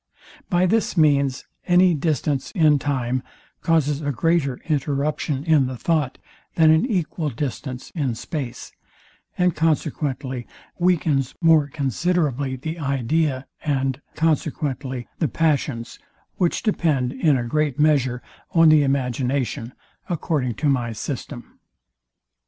By this means any distance in time causes a greater interruption in the thought than an equal distance in space, and consequently weakens more considerably the idea, and consequently the passions; which depend in a great measure, on the imagination, according to my system.